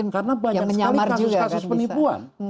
karena banyak sekali kasus kasus penipuan